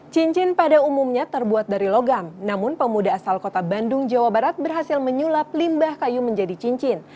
cincin pada umumnya terbuat dari logam namun pemuda asal kota bandung jawa barat berhasil menyulap limbah kayu menjadi cincin